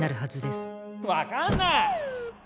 分かんない！